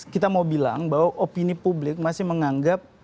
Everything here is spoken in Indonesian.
kita mau bilang bahwa opini publik masih menganggap